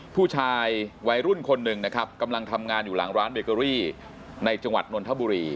ผู้ชายวัยรุ่นคนหนึ่งนะครับกำลังทำงานอยู่หลังร้านเบเกอรี่ในจังหวัดนนทบุรี